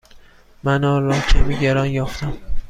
من آن را کمی گران یافتم.